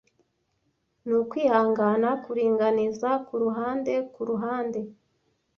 Nukwihangana kuringaniza kuruhande kuruhande